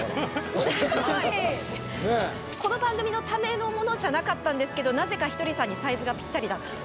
この番組のためのものじゃなかったんですけどなぜかひとりさんにサイズがぴったりだったと。